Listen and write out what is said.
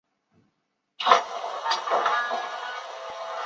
新港街道是位于中国福建省福州市台江区东部的一个街道。